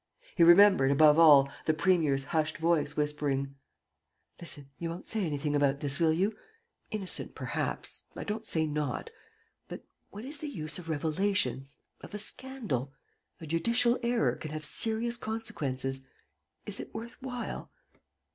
He remembered, above all, the premier's hushed voice whispering: "Listen ... you won't say anything about this will you? Innocent, perhaps, I don't say not. ... But what is the use of revelations, of a scandal? A judicial error can have serious consequences. Is it worth while?